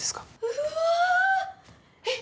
うわーっ！